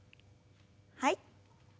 はい。